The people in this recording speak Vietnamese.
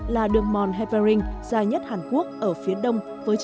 là đường monhavering dài nhất hàn quốc ở phía đông với chín bảy